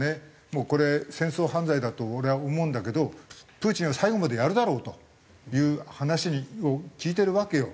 もうこれ戦争犯罪だと俺は思うんだけどプーチンは最後までやるだろうという話を聞いてるわけよ。